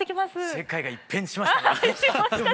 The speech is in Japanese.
世界が一変しましたね。